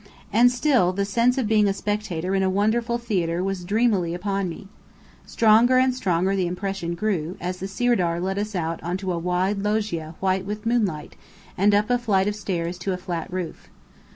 And still the sense of being a spectator in a wonderful theatre was dreamily upon me. Stronger and stronger the impression grew, as the Sirdar led us out onto a wide loggia white with moonlight, and up a flight of stairs to a flat roof.